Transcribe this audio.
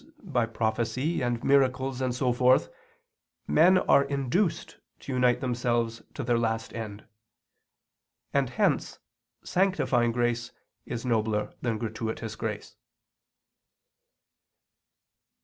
by prophecy and miracles and so forth, men are induced to unite themselves to their last end. And hence sanctifying grace is nobler than gratuitous grace.